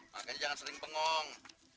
makanya jangan sering pengong